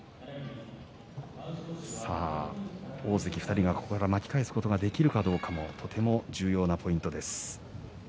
大関２人が、ここから巻き返すことができるかどうかも重要なポイントです。